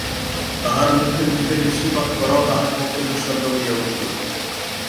তাহার মুখের দিকে দৃষ্টিপাত করাও তাঁহার পক্ষে দুঃসাধ্য হইয়া উঠিল।